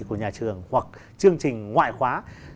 của nhà trường hoặc chương trình ngoại khóa